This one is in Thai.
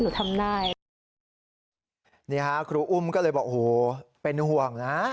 นี่ครับครูอุ้มก็เลยบอกโหเป็นห่วงนะ